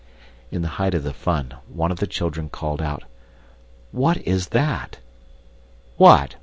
In the height of the fun, one of the children called out, "What is that?" "What?